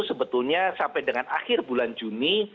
sebetulnya sampai dengan akhir bulan juni